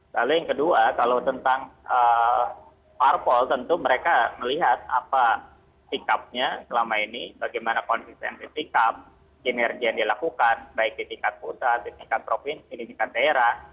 lalu yang kedua kalau tentang parpol tentu mereka melihat apa sikapnya selama ini bagaimana konsistensi sikap yang dilakukan baik di tingkat pusat di tingkat provinsi di tingkat daerah